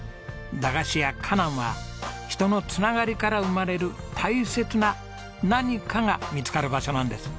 だがしやかなんは人のつながりから生まれる大切な何かが見つかる場所なんです。